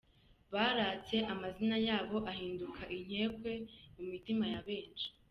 Baratse amazina yabo ahinduka inkekwe mu mitima ya benshi.